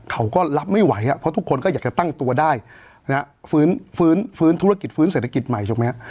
เขาก็รับไม่ไหวเพราะทุกคนก็อยากจะตั้งตัวได้นะฮะฟื้นฟื้นธุรกิจฟื้นเศรษฐกิจใหม่ถูกไหมฮะ